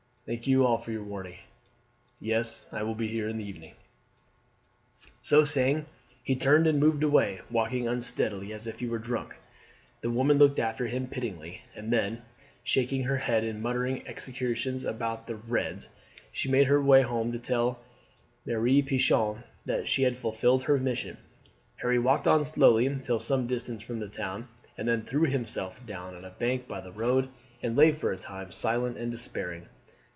"Thank you all for your warning. Yes, I will be here this evening." So saying he turned and moved away, walking unsteadily as if he were drunk. The woman looked after him pityingly, and then, shaking her head and muttering execrations against the "Reds," she made her way home to tell Mere Pichon that she had fulfilled her mission. Harry walked on slowly until some distance from the town, and then threw himself down on a bank by the road and lay for a time silent and despairing.